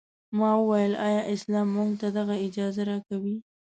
ما وویل ایا اسلام موږ ته دغه اجازه راکوي.